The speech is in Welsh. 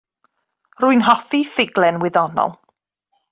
Rwy'n hoffi ffuglen wyddonol.